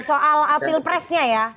soal pilpresnya ya